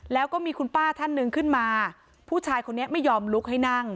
แล้วก็มีคุณป้าท่านหนึ่งขึ้นมาผู้ชายคนนี้ไม่ยอมลุกให้นั่ง